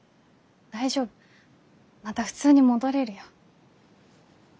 大丈夫また普通に戻れるよ。